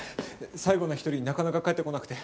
最後の１人なかなか帰ってこなくて。